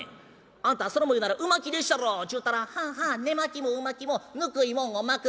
『あんたそれを言うならう巻きでっしゃろ』ちゅうたら『はあはあ寝巻きもう巻きもぬくいもんを巻く』。